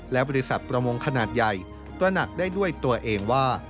และบริษัทประมงขนาดใหญ่ตระหนักได้ด้วยตัวเองว่า